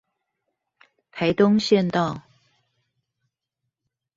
台東縣道